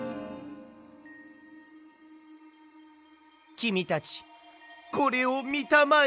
きみたちこれをみたまえ。